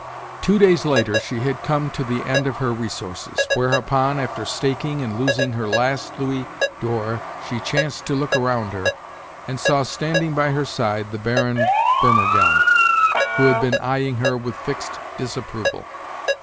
Two days later she had come to the end of her resources; whereupon, after staking and losing her last louis d'or she chanced to look around her, and saw standing by her side the Baron Burmergelm, who had been eyeing her with fixed disapproval.